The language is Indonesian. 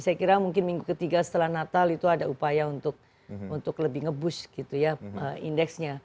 saya kira mungkin minggu ketiga setelah natal itu ada upaya untuk lebih nge boost gitu ya indeksnya